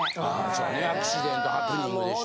そやねアクシデントハプニングでしたね。